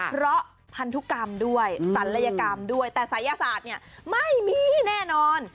เพราะพันธุกรรมด้วยศัลยกรรมด้วยแต่ศัยศาสตร์เนี่ยไม่มีแน่นอน